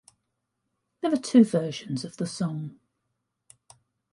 There are two versions of the song.